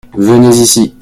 Venez ici.